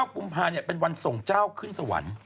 ๙กุมภาพันธุ์เนี่ยเป็นวันส่งเจ้าขึ้นสวรรค์